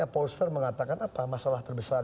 polster mengatakan apa masalah terbesar